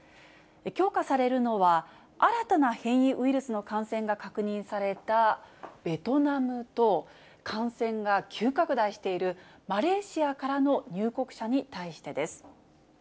強化されるのは、新たな変異ウイルスの感染が確認されたベトナムと感染が急拡大しているマレーシアからの入国者に対してです。